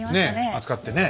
扱ってね。